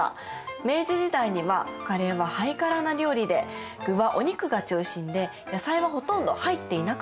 明治時代にはカレーはハイカラな料理で具はお肉が中心で野菜はほとんど入っていなかったそうです。